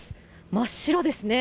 真っ白ですね。